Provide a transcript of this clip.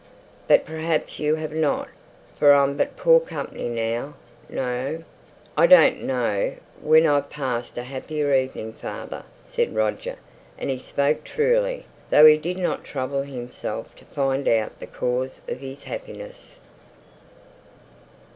But perhaps you haven't; for I'm but poor company now, I know." "I don't know when I've passed a happier evening, father," said Roger. And he spoke truly, though he did not trouble himself to find out the cause of his happiness.